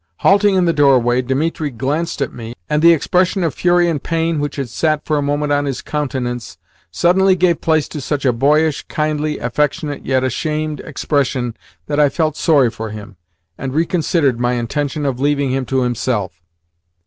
Halting in the doorway, Dimitri glanced at me, and the expression of fury and pain which had sat for a moment on his countenance suddenly gave place to such a boyish, kindly, affectionate, yet ashamed, expression that I felt sorry for him, and reconsidered my intention of leaving him to himself.